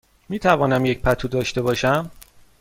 می توانم یک پتو داشته باشم؟